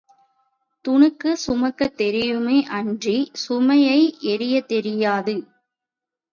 துணுக்குச் சுமக்கத் தெரியுமே அன்றிச் சுமையை எறியத் தெரியாது.